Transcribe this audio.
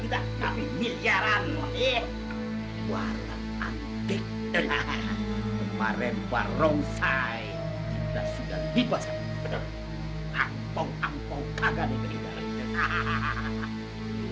tapi miliaran wadik warna antik kemarin baru saya sudah di pasang